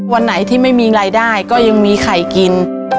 วันไหนที่ไม่มีรายได้ก็ยังมีไข่กิน